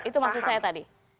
itu maksud saya tadi